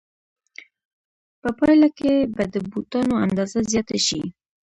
په پایله کې به د بوټانو اندازه زیاته شي